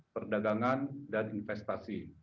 perdagangan dan investasi